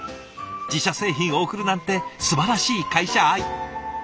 自社製品を贈るなんてすばらしい会社愛。